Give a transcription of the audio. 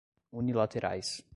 unilaterais